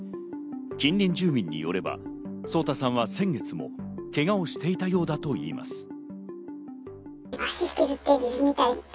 近隣住民によれば、颯太さんは先月もけがをしていたようだといいます。